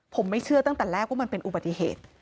ผมไม่เชื่อตั้งแต่แรกว่ามันเป็นอุบัติเหตุ